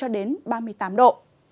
một mươi năm đến ba mươi độ